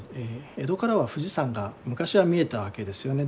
江戸からは富士山が昔は見えたわけですよね。